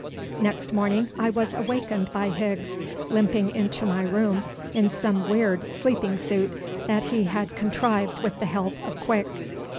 Next morning I was awakened by Higgs limping into my room in some weird sleeping suit that he had contrived with the help of Quick.